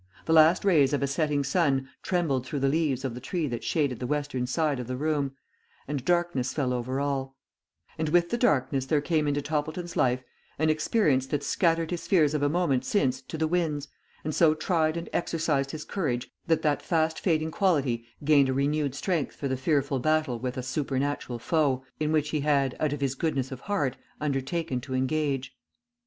The last rays of a setting sun trembled through the leaves of the tree that shaded the western side of the room, and darkness fell over all; and with the darkness there came into Toppleton's life an experience that scattered his fears of a moment since to the winds, and so tried and exercised his courage, that that fast fading quality gained a renewed strength for the fearful battle with a supernatural foe, in which he had, out of his goodness of heart, undertaken to engage.